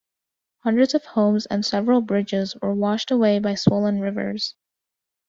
Hundreds of homes and several bridges were washed away by swollen rivers.